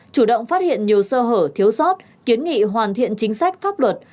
chủ động phát hiện nhiều sơ hở thiếu sót kiến nghị hoàn thiện chính sách pháp luật